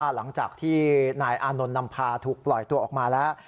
หลังจากที่นายอานนท์นำพาถูกปล่อยตัวออกมาแล้ว